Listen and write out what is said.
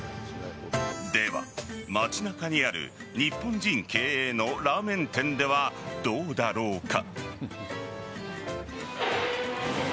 では、街中にある日本人経営のラーメン店ではどうだろうか。